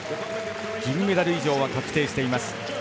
銀メダル以上は確定しています。